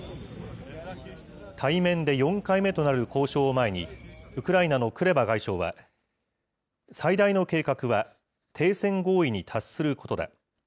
対面で４回目となる交渉を前に、ウクライナのクレバ外相は、最大の計画は停戦合意に達することだ。